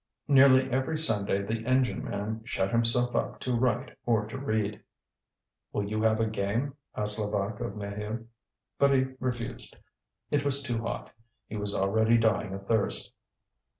Nearly every Sunday the engine man shut himself up to write or to read. "Will you have a game?" asked Levaque of Maheu. But he refused: it was too hot, he was already dying of thirst.